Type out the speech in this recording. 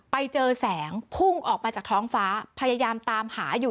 ไปเจอแสงพุ่งออกมาจากท้องฟ้าพยายามตามหาอยู่